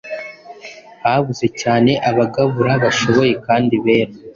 habuze cyane abagabura bashoboye kandi bera-